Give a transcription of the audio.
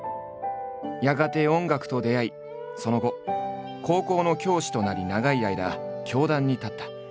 やがて音楽と出会いその後高校の教師となり長い間教壇に立った。